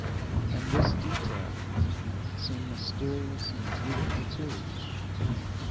And this detail seemed mysterious and beautiful, too.